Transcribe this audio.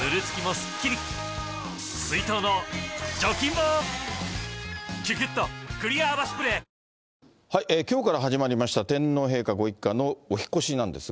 また、きょうから始まりました天皇陛下ご一家のお引っ越しなんです